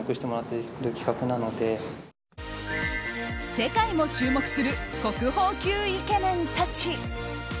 世界も注目する国宝級イケメンたち。